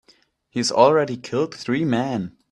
He's already killed three men.